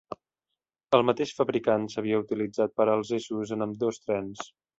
El mateix fabricant s'havia utilitzat per als eixos en ambdós trens.